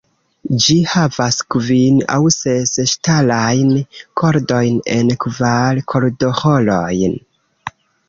Ĝi havas kvin aŭ ses ŝtalajn kordojn en kvar kordoĥoroj.